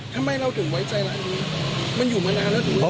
ทำไมเราถึงไว้ใจร้านนี้มันอยู่มานานแล้วถึง